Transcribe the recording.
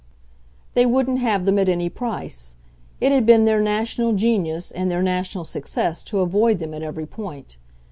They wouldn't have them at any price; it had been their national genius and their national success to avoid them at every point.